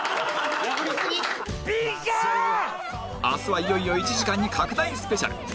明日はいよいよ１時間に拡大スペシャル！